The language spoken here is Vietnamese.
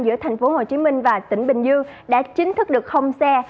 giữa thành phố hồ chí minh và tỉnh bình dương đã chính thức được không xe